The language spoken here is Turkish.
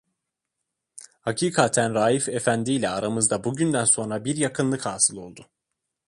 Hakikaten Raif efendiyle aramızda bugünden sonra bir yakınlık hâsıl oldu.